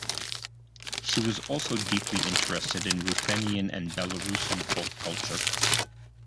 She was also deeply interested in Ruthenian and Belarusian folk culture.